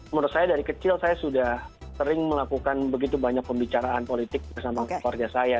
menurut saya dari kecil saya sudah sering melakukan begitu banyak pembicaraan politik bersama keluarga saya